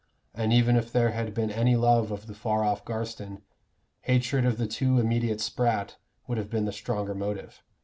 And even if there had been any love of the far off Garstin, hatred of the too immediate Spratt would have been the stronger motive.